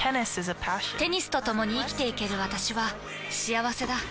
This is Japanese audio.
テニスとともに生きていける私は幸せだ。